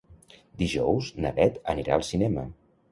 Dijous na Beth anirà al cinema.